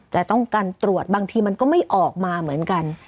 แต่ต้องการตรวจบางทีมันก็ไม่ออกมาเหมือนกัน